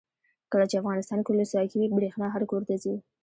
کله چې افغانستان کې ولسواکي وي برښنا هر کور ته ځي.